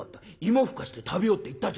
芋ふかして食べようって言ったじゃないか。